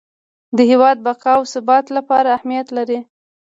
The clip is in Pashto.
د هیواد بقا او ثبات لپاره اهمیت لري.